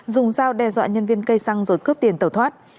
dùng dao đe dọa nhân viên cây xăng rồi cướp tiền tẩu thoát